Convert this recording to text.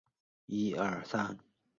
浙江海宁人。